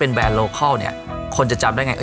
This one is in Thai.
โปรดติดตามต่อไป